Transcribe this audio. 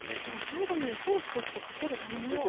これ最後にソースとしてかけるための。